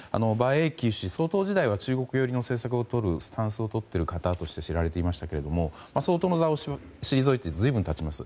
英九氏総統時代は中国寄りのスタンスをとっている方として知られていますが相当を退いて随分経ちます。